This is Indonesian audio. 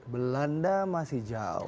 belanda masih jauh